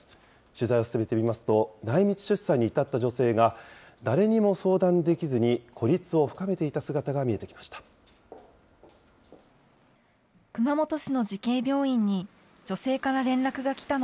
取材を進めてみますと、内密出産に至った女性が、誰にも相談できずに孤立を深めていた姿が見えてきました。